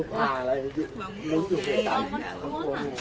ค่อยสงสัย